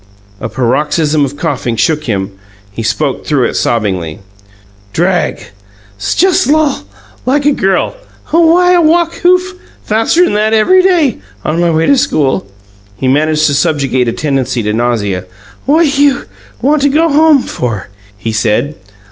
A paroxysm of coughing shook him; he spoke through it sobbingly: "'Drag!' 'S jus' lul like a girl! Ha why I walk OOF! faster'n that every day on my way to school." He managed to subjugate a tendency to nausea. "What you want to go home for?" he said.